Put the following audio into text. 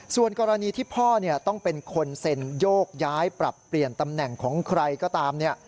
ส่วนกรณีที่พ่อต้องเป็นคนเซ็นโยกย้ายปรับเปลี่ยนตำแหน่งของใครก็ตาม